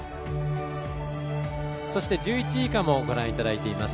そして、１１位以下もご覧いただいています。